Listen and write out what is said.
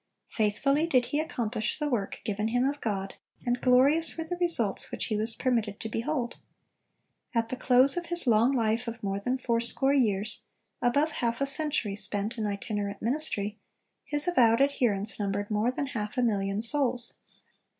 Faithfully did he accomplish the work given him of God, and glorious were the results which he was permitted to behold. At the close of his long life of more than fourscore years—above half a century spent in itinerant ministry—his avowed adherents numbered more than half a million souls.